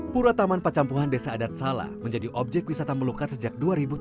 purwataman pacampuhan desa adang salat menjadi objek wisata melukat sejak dua ribu tujuh belas